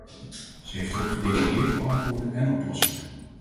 Ze geeft ook gedetailleerde antwoorden en oplossingen.